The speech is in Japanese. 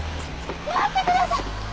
待ってください！